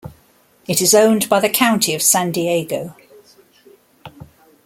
It is owned by the County of San Diego.